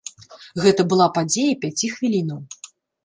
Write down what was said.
Гэта была падзея пяці хвілінаў.